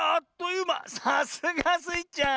さすがスイちゃん。